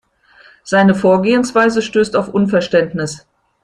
Seine Vorgehensweise stößt auf Unverständnis.